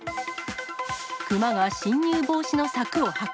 クマが侵入防止の柵を破壊。